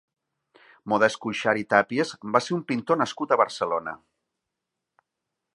Modest Cuixart i Tàpies va ser un pintor nascut a Barcelona.